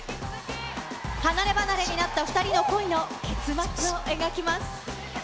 離れ離れになった２人の恋の結末を描きます。